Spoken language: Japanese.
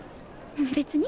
別に。